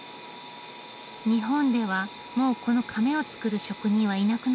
日本ではもうこのかめを作る職人はいなくなりました。